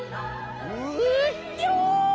うっひょ！